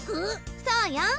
そうよん。